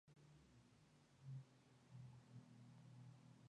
Con casi seiscientas especies, es la segunda familia de mamíferos más numerosa.